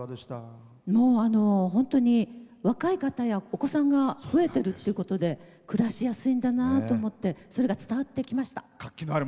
本当に若い方やお子さんが増えてるっていうことで暮らしやすいんだなと思ってそれが伝わってきました。